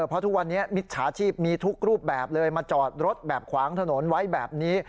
เพราะทุกวันนี้มิจฉาชีพมีทุกรูปแบบเลยมาจอดรถแบบขวางถนนไว้แบบนี้